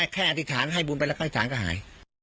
แค่อธิษฐานให้บุญไปแล้วก็อธิษฐานก็หาย